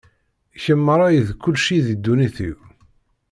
Kemm merra i d kulci di ddunit-iw.